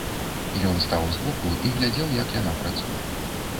Ён стаў збоку і глядзеў, як яна працуе.